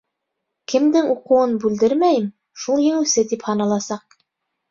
Кемдең уҡыуын бүлдермәйем, шул еңеүсе тип һаналасаҡ.